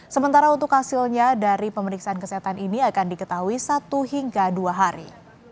sementara untuk hasilnya dari pemeriksaan kesehatan ini akan diketahui satu hingga dua hari